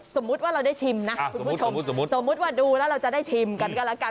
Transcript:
สมมุติว่าเราได้ชิมนะสมมุติว่าดูแล้วเราจะได้ชิมกันกันละกัน